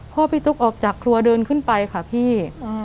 พ่อพี่ตุ๊กออกจากครัวเดินขึ้นไปค่ะพี่